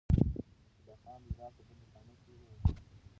عبدالله خان د هرات په بنديخانه کې ووژل شو.